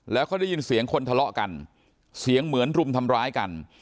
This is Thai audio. แล้วเขาได้ยินเสียงคนทะเลาะกันเสียงเหมือนรุมทำร้ายกัน